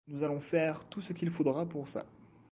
Nous allons faire tout ce qu'il faudra pour ça.